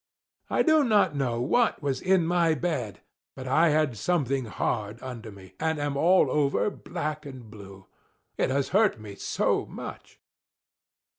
I do not know what was in my bed, but I had something hard under me, and am all over black and blue. It has hurt me so much!"